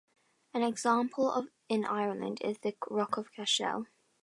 An example in Ireland is the Rock of Cashel.